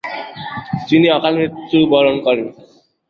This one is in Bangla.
তিনি অকাল মৃত্যুবরণ করেন।